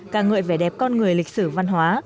ca ngợi vẻ đẹp con người lịch sử văn hóa